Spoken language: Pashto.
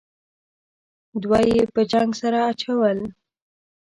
دوه یې په جنگ سره اچول.